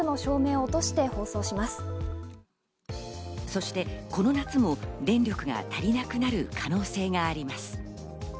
そしてこの夏も電力が足りなくなる可能性があります。